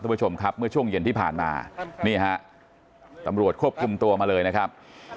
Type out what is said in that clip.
ผู้ชมครับเมื่อช่วงเย็นที่ผ่านมานี่ฮะตำรวจควบคุมตัวมาเลยนะครับ